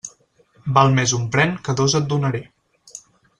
Val més un pren que dos et donaré.